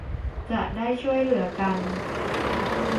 จะได้ช่วยเหลือกัน